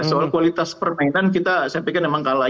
soal kualitas permainan kita saya pikir memang kalah